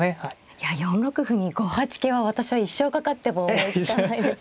いや４六歩に５八桂は私は一生かかっても思いつかないです。